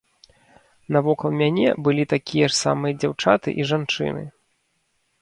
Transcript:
Навокал мяне былі такія ж самыя дзяўчаты і жанчыны.